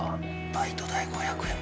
バイト代５００円